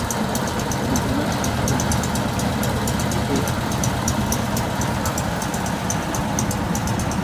zilizonaswa ambazo ni bunduki aina ya aka arubaini na sababa na mamia ya risasi